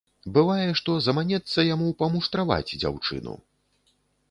Бывае, што заманецца яму памуштраваць дзяўчыну.